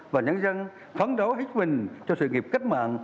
và nhân dân phán đấu hết mình cho sự nghiệp cách mạng